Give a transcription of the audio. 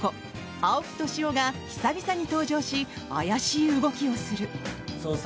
青木年男が久々に登場し怪しい動きをする。